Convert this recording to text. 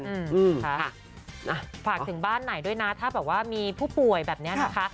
ค่ะฝากถึงบ้านไหนด้วยนะถ้ามีผู้ป่วยแบบนี้นะคะ